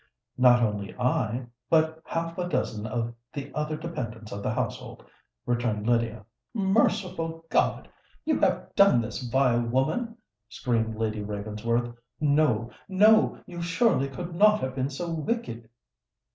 "Not only I—but half a dozen of the other dependants of the household," returned Lydia. "Merciful God! you have done this, vile woman?" screamed Lady Ravensworth. "No—no: you surely could not have been so wicked?"